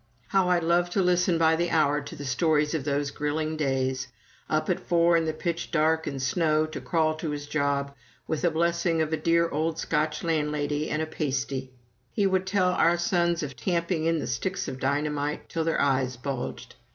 How I loved to listen by the hour to the stories of those grilling days up at four in the pitch dark and snow, to crawl to his job, with the blessing of a dear old Scotch landlady and a "pastie"! He would tell our sons of tamping in the sticks of dynamite, till their eyes bulged.